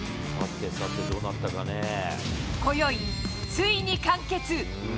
こよい、遂に完結。